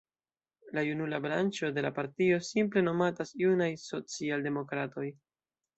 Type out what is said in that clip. La junula branĉo de la partio simple nomatas Junaj Socialdemokratoj.